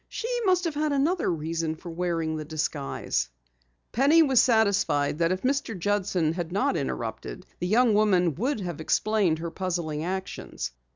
"She must have had another reason for wearing the disguise." Penny was satisfied that if Mr. Judson had not interrupted, the young woman would have explained her puzzling actions.